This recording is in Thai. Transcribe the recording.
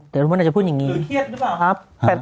เดี๋ยวมดดังจะพูดอย่างงี้เธอเทียบหรือเปล่าครับ